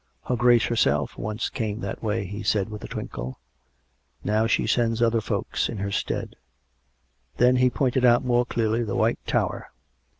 " Her Grace herself once came that way," he said with a twinkle. " Now she sends other folks in her stead." Then he pointed out more clearly the White Tower.